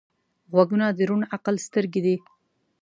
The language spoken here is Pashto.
غوږونه د روڼ عقل سترګې دي